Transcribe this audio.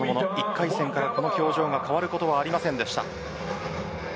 １回戦からこの表情は変わることはありませんでした。